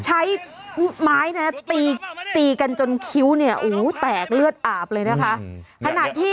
ใช้ไม้นะตีตีกันจนคิ้วเนี่ยโอ้โหแตกเลือดอาบเลยนะคะขณะที่